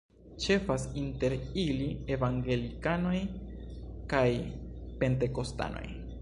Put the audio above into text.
Ĉefas inter ili evangelikaloj kaj pentekostanoj.